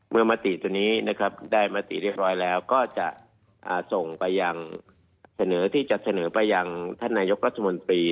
เมื่อมติตอนนี้ได้มติเรียบร้อยแล้วก็จะส่งไปที่จะเสนอไปท่านนายกรัฐมนตรี